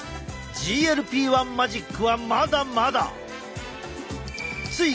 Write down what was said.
ＧＬＰ−１マジックはまだまだ！